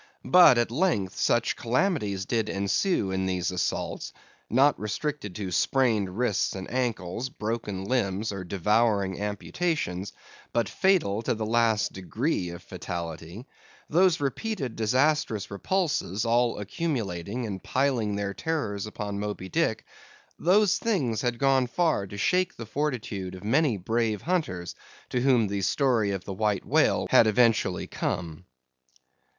But at length, such calamities did ensue in these assaults—not restricted to sprained wrists and ankles, broken limbs, or devouring amputations—but fatal to the last degree of fatality; those repeated disastrous repulses, all accumulating and piling their terrors upon Moby Dick; those things had gone far to shake the fortitude of many brave hunters, to whom the story of the White Whale had eventually come.